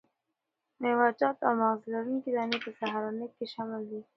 میوه جات او مغذ لرونکي دانې په سهارنۍ کې شامل دي.